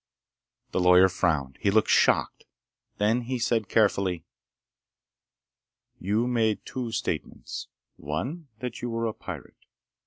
The lawyer frowned. He looked shocked. Then he said carefully: "You made two statements. One was that you are a pirate.